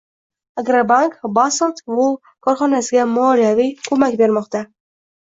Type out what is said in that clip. Agrobank “Basalt wool” korxonasiga moliyaviy ko‘mak bermoqdang